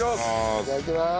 いただきます。